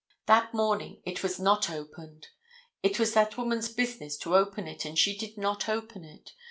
That morning it was not opened. It was that woman's business to open it, and she did not open it.